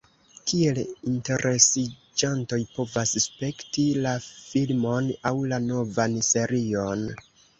Kiel interesiĝantoj povas spekti la filmon aŭ la novan serion?